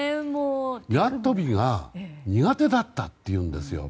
縄跳びが苦手だったっていうんですよ。